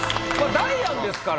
ダイアンですから。